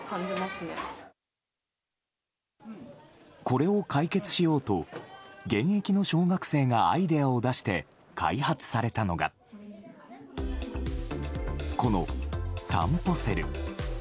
これを解決しようと現役の小学生がアイデアを出して開発されたのがこのさんぽセル。